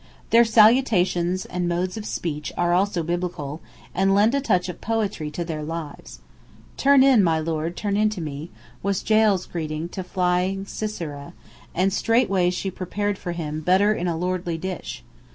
Their salutations and modes of speech are also Biblical, and lend a touch of poetry to their lives. "Turn in, my lord, turn in to me," was Jael's greeting to flying Sisera, and straight way she prepared for him "butter in a lordly dish."